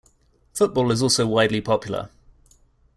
Football is also widely popular.